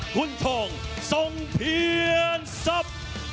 คุณทงส่งเพียรสับ